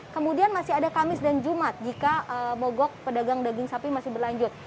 kemudian masih ada kamis dan jumat jika mogok pedagang daging sapi masih berlanjut